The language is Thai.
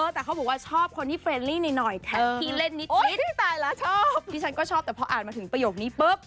มันเด็ดตรงนี้ตรงนี้ละที่ฉันชอบมากละข่าวเนี่ย